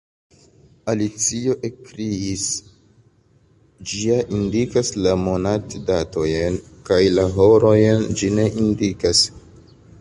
Alicio ekkriis, "ĝi ja indikas la monatdatojn, kaj la horojn ĝi ne indikas."